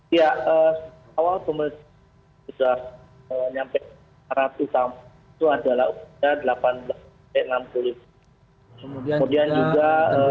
ya awal sudah nyampe harap utama